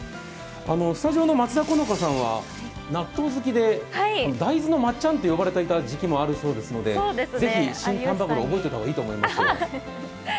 スタジオの松田好花さんは納豆好きで大豆のまっちゃんと呼ばれていたこともあるそうでぜひ、新丹波黒、覚えておいた方がいいと思います。